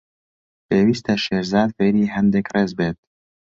پێویستە شێرزاد فێری هەندێک ڕێز بێت.